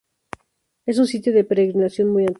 Es un sitio de peregrinación muy antiguo.